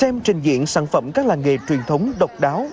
thêm trình diện sản phẩm các làng nghề truyền thống độc đáo